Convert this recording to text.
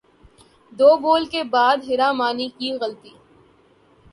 دو بول کے بعد حرا مانی کی غلطی